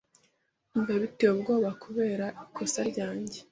Ndumva biteye ubwoba kubera ikosa ryanjye.